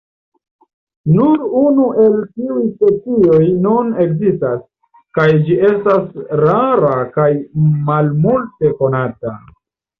Nur unu el tiuj specioj nun ekzistas, kaj ĝi estas rara kaj malmulte konata.